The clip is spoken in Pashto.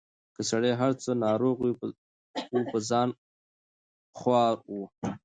که سړی هر څه ناروغ وو په ځان خوار وو